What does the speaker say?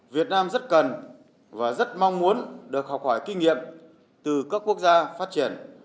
việt nam rất cần và rất mong muốn được học hỏi kinh nghiệm từ các quốc gia phát triển